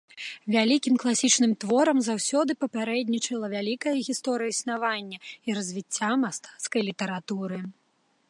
Вялікім класічным творам заўсёды папярэднічала вялікая гісторыя існавання і развіцця мастацкай літаратуры.